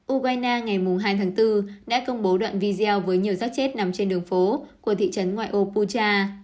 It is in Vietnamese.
ukraine ngày hai tháng bốn đã công bố đoạn video với nhiều rác chết nằm trên đường phố của thị trấn ngoại ô pucha